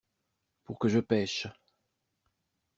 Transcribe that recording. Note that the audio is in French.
Pour que je pêche.